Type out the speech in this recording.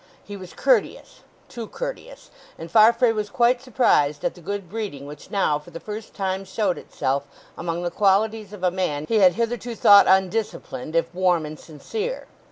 He was courteous—too courteous—and Farfrae was quite surprised at the good breeding which now for the first time showed itself among the qualities of a man he had hitherto thought undisciplined, if warm and sincere.